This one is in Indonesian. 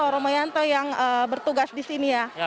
romoyanto yang bertugas di sini ya